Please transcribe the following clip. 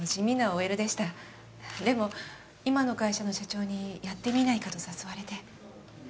でも今の会社の社長にやってみないかと誘われて。